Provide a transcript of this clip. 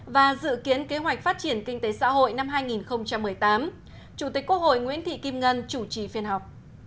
và dự kiến kế hoạch phát triển kinh tế xã hội năm hai nghìn một mươi tám chủ tịch quốc hội nguyễn thị kim ngân chủ trì phiên họp